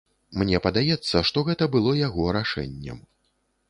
Мне падаецца, што гэта было яго рашэннем.